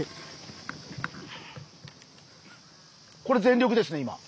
これ全力ですね今。